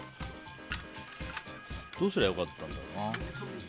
どうすりゃ良かったんだろうな。